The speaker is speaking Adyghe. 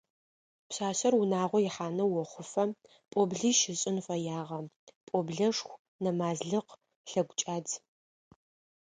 Пшъашъэр унагъо ихьанэу охъуфэ пӏоблищ ышӏын фэягъэ: пӏоблэшху, нэмазлыкъ, лъэгукӏадз.